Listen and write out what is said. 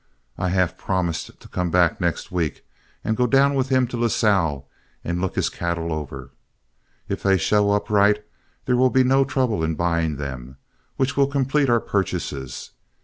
I half promised to come back next week and go down with him to Lasalle and look his cattle over. If they show up right, there will be no trouble in buying them, which will complete our purchases.